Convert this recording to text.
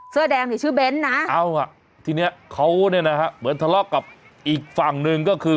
เสื้อแดงนี่ชื่อเบ้นนะเอาอ่ะทีเนี้ยเขาเนี่ยนะฮะเหมือนทะเลาะกับอีกฝั่งหนึ่งก็คือ